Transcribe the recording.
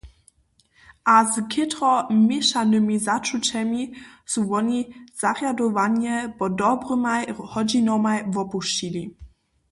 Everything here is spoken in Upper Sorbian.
A z chětro měšanymi začućemi su woni zarjadowanje po dobrymaj hodźinomaj wopušćili.